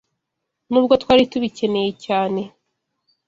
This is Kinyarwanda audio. nubwo twari tubikeneye cyane